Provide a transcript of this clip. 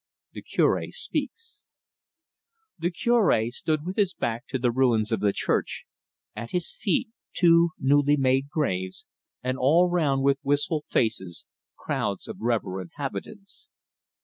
THE CURE SPEAKS The Cure stood with his back to the ruins of the church, at his feet two newly made graves, and all round, with wistful faces, crowds of reverent habitants.